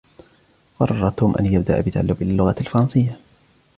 قرر "توم" أن يبدأ بتعلم اللغة الفرنسية